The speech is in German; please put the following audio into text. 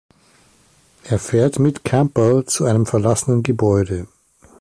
Er fährt mit Campbell zu einem verlassenen Gebäude.